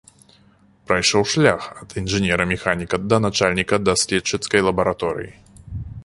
Прайшоў шлях ад інжынера-механіка да начальніка даследчыцкай лабараторыі.